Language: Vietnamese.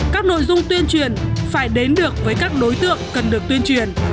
các nội dung tuyên truyền phải đến được với các đối tượng cần được tuyên truyền